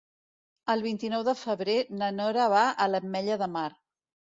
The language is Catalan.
El vint-i-nou de febrer na Nora va a l'Ametlla de Mar.